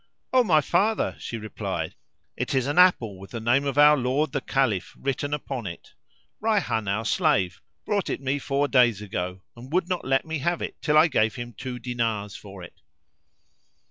"O my father," she replied, "it is an apple with the name of our Lord the Caliph written upon it. Rayhán our slave brought it to me four days ago and would not let me have it till I gave him two dinars for it."